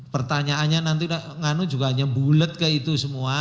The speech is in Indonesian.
pertanyaannya nanti nganu juga nyembulet ke itu semua